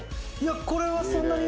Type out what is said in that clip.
これはそんなに。